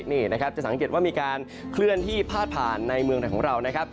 นี่นะครับจะสังเกตว่ามีการเคลื่อนที่พาดผ่านในเมืองไทยของเรานะครับ